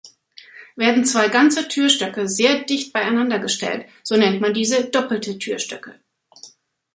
Werden zwei ganze Türstöcke sehr dicht beieinander gestellt, so nennt man diese doppelte Türstöcke.